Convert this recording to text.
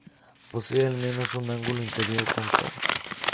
Posee al menos un ángulo interior cóncavo.